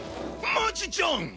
マジじゃん！